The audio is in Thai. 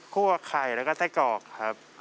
ไข่แล้วก็ไส้กรอกครับ